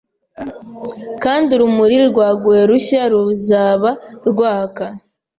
Kandi urumuri rwaguye rushya ruzaba rwaka